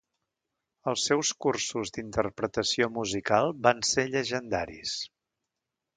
Els seus cursos d'interpretació musical van ser llegendaris.